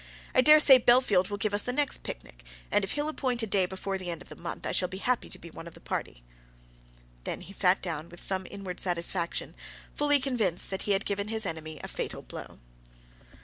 I dare say Bellfield will give us the next picnic, and if he'll appoint a day before the end of the month, I shall be happy to be one of the party." Then he sat down with some inward satisfaction, fully convinced that he had given his enemy a fatal blow.